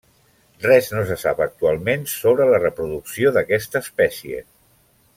Res no se sap actualment sobre la reproducció d'aquesta espècie.